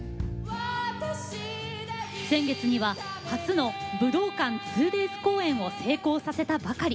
先月には初の武道館２ｄａｙｓ公演を成功させたばかり。